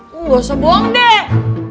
lo gak usah bohong deh